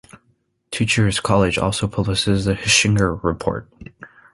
Teacher's college also publishes the Hechinger Report.